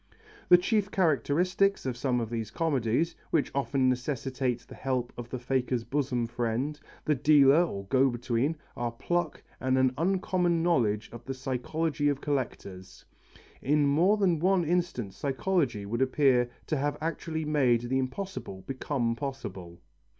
The chief characteristics of some of these comedies, which often necessitate the help of the faker's bosom friend, the dealer or go between, are pluck and an uncommon knowledge of the psychology of collectors. In more than one instance psychology would appear to have actually made the impossible become possible.